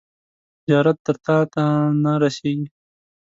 زیارت تر تاته نه رسیږي.